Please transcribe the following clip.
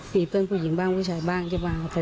มีเพื่อนผู้หญิงบ้างผู้ชายบ้างใช่ไหม